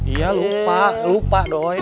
iya lupa lupa doi